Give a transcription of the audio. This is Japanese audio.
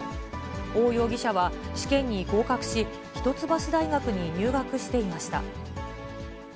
王容疑者は試験に合格し、一橋大学に入学していました。